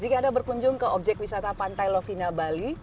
jika anda berkunjung ke objek wisata pantai lovina bali